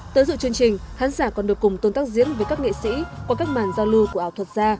tới dự chương trình khán giả còn được cùng tôn tác diễn với các nghệ sĩ qua các màn giao lưu của ảo thuật gia